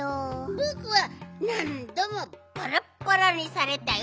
ぼくはなんどもバラバラにされたよ。